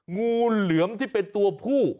งูเหลือมที่เป็นตัวผู้